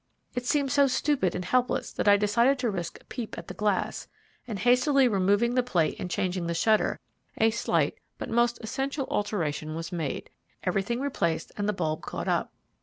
It seemed so stupid and helpless that I decided to risk a peep at the glass, and hastily removing the plate and changing the shutter, a slight but most essential alteration was made, everything replaced, and the bulb caught up.